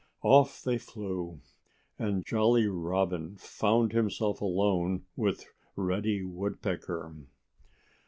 Off they flew. And Jolly Robin found himself alone with Reddy Woodpecker.